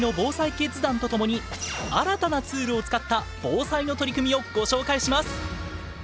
キッズ団と共に新たなツールを使った防災の取り組みをご紹介します。